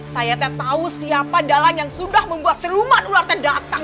saya tak tau siapa adalah yang sudah membuat siluman ular saya datang